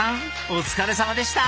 お疲れさまでした！